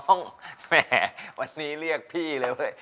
แหมวันนี้เรียกพี่เลยเว้ย